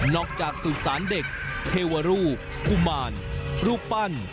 นอกจากสู่สารเด็กเทวรูปภูมารรูปปั้น